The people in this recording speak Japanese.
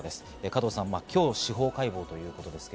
加藤さん、今日司法解剖ということです